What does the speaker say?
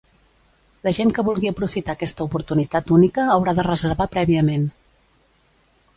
La gent que vulgui aprofitar aquesta oportunitat única haurà de reservar prèviament.